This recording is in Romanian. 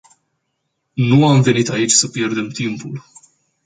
Nu am venit aici să pierdem timpul.